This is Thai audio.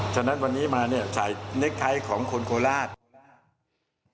ฉะนั้นวันนี้มาเน็คไทยของคนโคราช